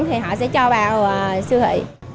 thì họ sẽ cho vào siêu thị